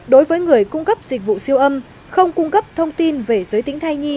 đối với người cung cấp dịch vụ siêu âm không cung cấp thông tin về giới tính thai nhi